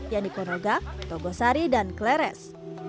yandikonoga togosari dan kleres